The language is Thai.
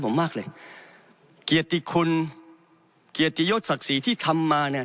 ผมมากเลยเกียรติคุณเกียรติยศศักดิ์ศรีที่ทำมาเนี่ย